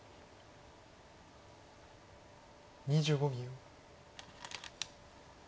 ２５秒。